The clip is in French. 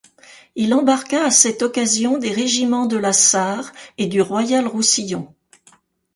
Il embarqua à cette occasion des régiments de La Sarre et du Royal-Roussillon.